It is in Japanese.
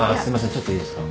ちょっといいですか？